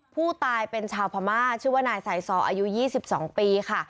ผู้ตายเป็นชาวพม่าชื่อว่านายสายซออายุ๒๒ปีค่ะ